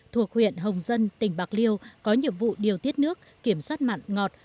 thuộc huyện hồng dân tỉnh bạc liêu có nhiệm vụ điều tiết nước kiểm soát mặn ngọt